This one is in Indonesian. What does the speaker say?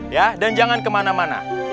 ya dan jangan kemana mana